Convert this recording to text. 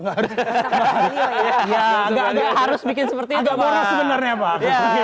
harus bikin seperti itu pak agak moros sebenarnya pak